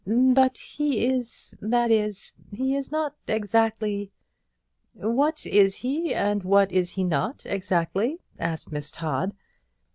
"But he is that is, he is not exactly " "What is he, and what is he not, exactly?" asked Miss Todd.